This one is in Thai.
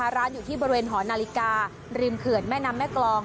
ร้านพ่าร้านอยู่ที่บริเวณหนาริการิมเผลอร์แม่น้ำแม่กรอง